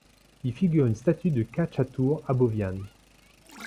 Y figure une statue de Khatchatour Abovian.